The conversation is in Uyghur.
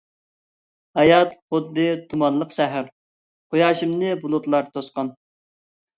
ھايات خۇددى تۇمانلىق سەھەر، قۇياشىمنى بۇلۇتلار توسقان.